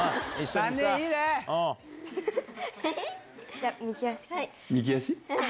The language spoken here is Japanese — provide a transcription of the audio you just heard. じゃあ右足から。